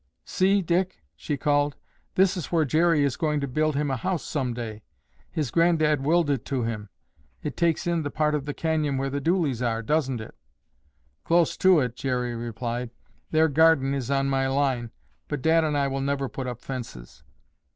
"See, Dick," she called, "this is where Jerry is going to build him a house some day. His granddad willed it to him. It takes in the part of the canyon where the Dooleys are, doesn't it?" "Close to it," Jerry replied. "Their garden is on my line, but Dad and I will never put up fences."